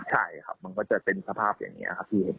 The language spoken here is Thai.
ใช่ครับมันก็จะเป็นสภาพอย่างนี้ครับพี่